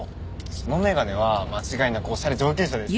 その眼鏡は間違いなくおしゃれ上級者です。